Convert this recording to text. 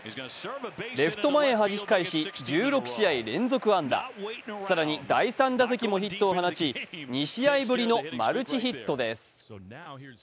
レフト前へはじき返し１６試合連続安打、更に第３打席もヒットを放ち２試合ぶりのマルチヒットです。